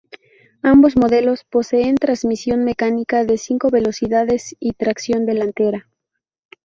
Ambos modelos poseen transmisión mecánica de cinco velocidades y tracción delantera.